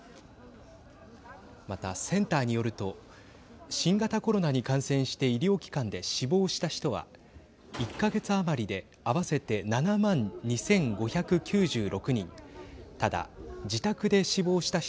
また、センターによると新型コロナに感染して医療機関で死亡した人は１か月余りで合わせて７万２５９６人。